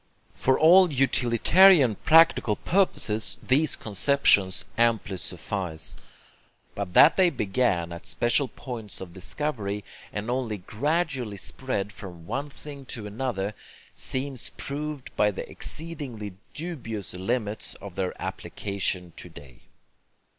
For all utilitarian practical purposes these conceptions amply suffice; but that they began at special points of discovery and only gradually spread from one thing to another, seems proved by the exceedingly dubious limits of their application to day.